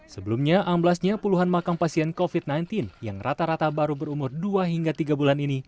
sebelumnya amblasnya puluhan makam pasien covid sembilan belas yang rata rata baru berumur dua hingga tiga bulan ini